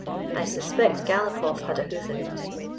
I suspect Galopoff had a hoof in it.